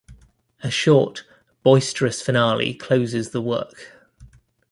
A short, boisterous finale closes the work.